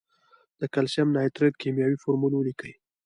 د کلسیم نایتریت کیمیاوي فورمول ولیکئ.